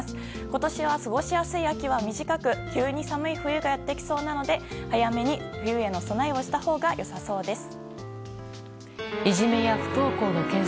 今年は過ごしやすい秋は短く急に寒い冬がやってきそうなので早めに冬への備えをしたほうが良さそうです。